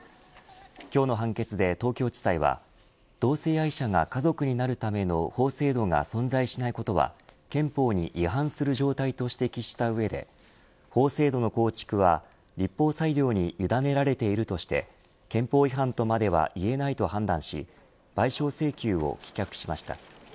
今日の判決で東京地裁は同性愛者が家族になるための法制度が存在しないことは憲法に違反する状態と指摘した上で法制度の構築は立法裁量にゆだねられているとして憲法違反とまではいえないと判断し賠償請求を棄却しました。